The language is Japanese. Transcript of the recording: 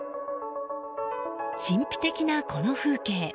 神秘的なこの風景。